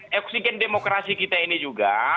oksigen demokrasi kita ini juga